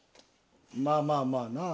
まあまあまあな。